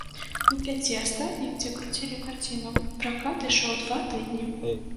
У пяці астатніх, дзе круцілі карціну, пракат ішоў два тыдні.